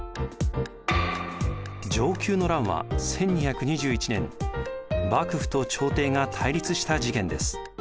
承久の乱は１２２１年幕府と朝廷が対立した事件です。